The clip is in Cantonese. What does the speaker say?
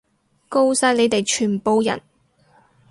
吿晒你哋全部人！